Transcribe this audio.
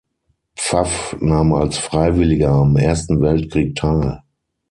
Pfaff nahm als Freiwilliger am Ersten Weltkrieg teil.